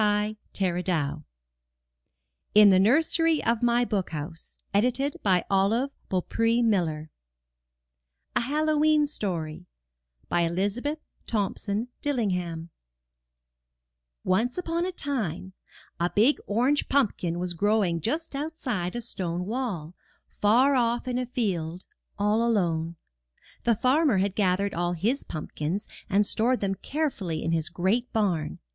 — Adapted from Wilhelm and Jacob Grimm, 351 MY BOOK HOUSE A HALLOWEEN STORY* Elizabeth Thompson DiUingham Once upon a time a big orange pumpkin was grow ing just outside a stone wall, far off in a field, all alone. The farmer had gathered all his pumpkins and stored them carefully in his great barn.